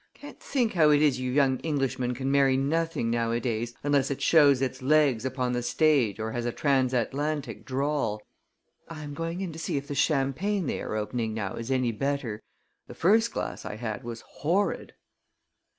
Can't think how it is you young Englishmen can marry nothing, nowadays, unless it shows its legs upon the stage or has a transatlantic drawl. I am going in to see if the champagne they're opening now is any better. The first glass I had was horrid!"